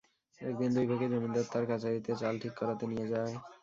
একদিন দুই ভাইকে জমিদার তার কাচারিতে চাল ঠিক করাতে নিয়ে যায়।